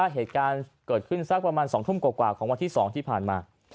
เหตุการณ์เกิดขึ้นสักประมาณ๒ทุ่มกว่าของวันที่๒ที่ผ่านมา